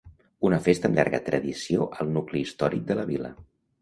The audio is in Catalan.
Una festa amb llarga tradició al nucli històric de la vila.